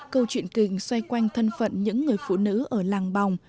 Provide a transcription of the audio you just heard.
câu chuyện kỳ xoay quanh thân phận những người phụ nữ ở làng bòng